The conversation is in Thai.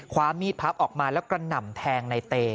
ความมีดพับออกมาแล้วกระหน่ำแทงในเต